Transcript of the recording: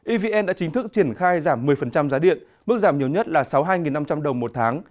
evn đã chính thức triển khai giảm một mươi giá điện mức giảm nhiều nhất là sáu mươi hai năm trăm linh đồng một tháng